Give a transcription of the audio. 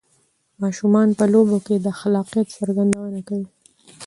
ماشومان په لوبو کې د خلاقیت څرګندونه کوي.